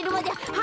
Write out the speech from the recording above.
は